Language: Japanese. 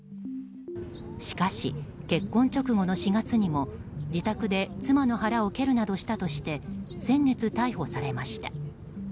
しかし、結婚直後の４月にも自宅で妻の腹を蹴るなどしたとして先月、逮捕されました。